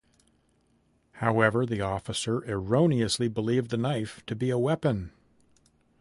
However, the officer erroneously believed the knife to be a weapon.